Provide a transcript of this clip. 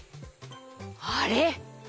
あれ？